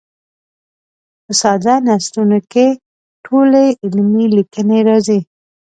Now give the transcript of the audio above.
په ساده نثرونو کې ټولې علمي لیکنې راځي.